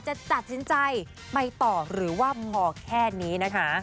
จะตัดสินใจไปต่อหรือว่าพอแค่นี้นะคะ